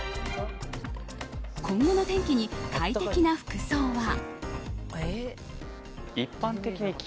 今後の天気に快適な服装は？